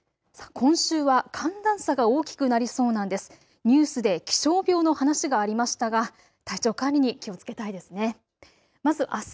今週は寒暖差が大きくなりそうなんです。